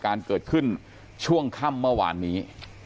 การเกิดขึ้นช่วงค่ำเมื่อวานนี้